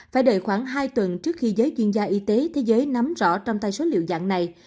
phải đầy khoảng hai tuần trước khi giới chuyên gia y tế thế giới nắm rõ trong tay số liệu dạng này